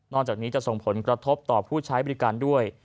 จากนี้จะส่งผลกระทบต่อผู้ใช้บริการด้วย